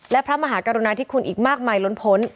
และพระมหากรุณาธิคุณอีกมากมายล้นพ้น